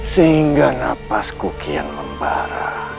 sehingga napasku kian membara